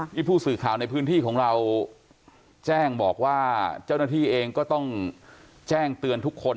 ผู้สื่อข่าวในพื้นที่ของเราแจ้งบอกว่าเจ้าหน้าที่เองก็ต้องแจ้งเตือนทุกคน